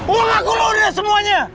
uang aku luar biasa semuanya